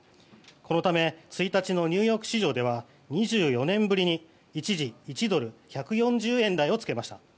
このため１日のニューヨーク市場では２４年ぶりに一時、１ドル＝１４０円台をつけました。